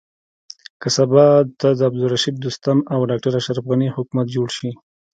که سبا ته د عبدالرشيد دوستم او ډاکټر محمد اشرف حکومت جوړ شي.